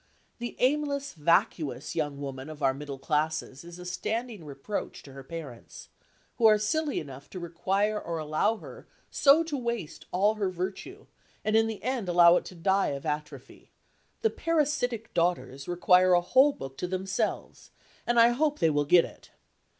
The aimless, vacuous young woman of our middle classes is a standing reproach to her parents, who are silly enough to require or allow her so to waste all her virtue, and in the end allow it to die of atrophy. The parasitic daughters require a whole book to themselves, and I hope they will get it.